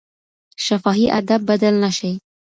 شفاهي ادب بدل نه شي.